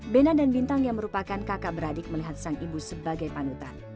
bena dan bintang yang merupakan kakak beradik melihat sang ibu sebagai panutan